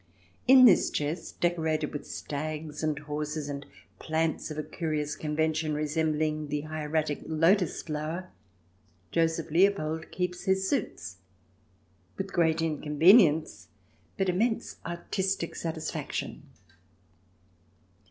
In this chest, decorated with stags and horses and plants of a curious convention resembling the hieratic lotus flower, Joseph Leopold keeps his suits, with great inconvenience but immense artistic satisfaction.